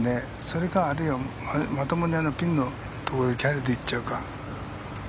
それかあるいはまともにピンのところにキャリーで行っちゃうか。